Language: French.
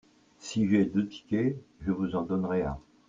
si j'ai deux tickets, je vous en donnerai un.